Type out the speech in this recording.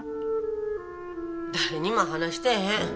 誰にも話してへん。